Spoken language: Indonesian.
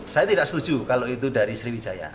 saya tidak setuju kalau itu dari sriwijaya